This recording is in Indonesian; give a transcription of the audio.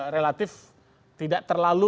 relatif tidak terlalu